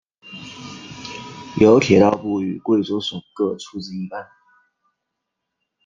由铁道部与贵州省各出资一半。